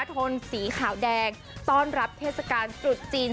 ทนสีขาวแดงต้อนรับเทศกาลตรุษจีน